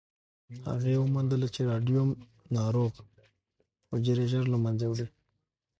هغې وموندله چې راډیوم ناروغ حجرې ژر له منځه وړي.